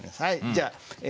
じゃあえ。